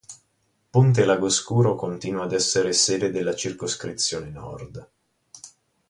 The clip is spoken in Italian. Pontelagoscuro continua ad essere sede della Circoscrizione Nord.